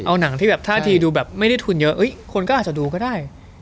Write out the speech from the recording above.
เอาหนังที่แบบท่าทีดูแบบไม่ได้ทุนเยอะคนก็อาจจะดูก็ได้